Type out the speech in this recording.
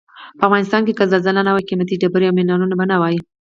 په افغنستان کې که زلزلې نه وای قیمتي ډبرې او منرالونه به نه وای.